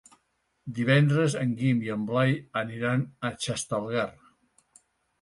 Divendres en Guim i en Blai aniran a Xestalgar.